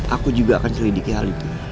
aku juga akan selidiki hal itu